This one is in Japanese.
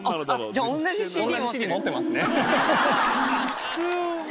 同じＣＤ持ってますね。